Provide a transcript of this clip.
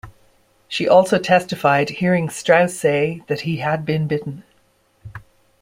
She also testified hearing Strauss say that he had been bitten.